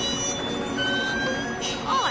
あれ？